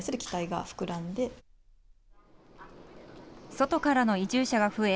外からの移住者が増え